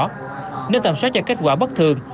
trước tầm soát cho kết quả bất thường